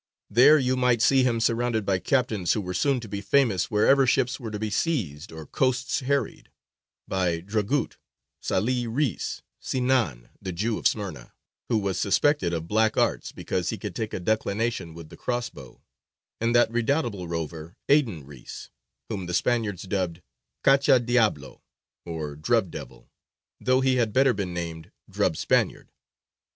There you might see him surrounded by captains who were soon to be famous wherever ships were to be seized or coasts harried; by Dragut, Sālih Reïs, Sinān the "Jew of Smyrna," who was suspected of black arts because he could take a declination with the crossbow, and that redoubtable rover Aydīn Reïs, whom the Spaniards dubbed Cachadiablo, or "Drub devil," though he had better been named Drub Spaniard.